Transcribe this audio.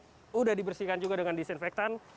sudah dibersihkan juga dengan disinfektan